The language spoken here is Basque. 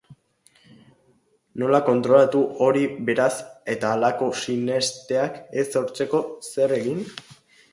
Nola kontrolatu hori beraz eta halako sinesteak ez sortzeko zer egin?